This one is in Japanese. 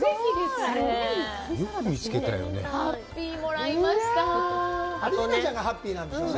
よく見つけたよね。